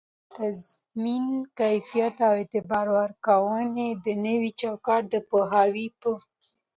د تضمین کیفیت او اعتبار ورکووني د نوي چوکات د پوهاوي په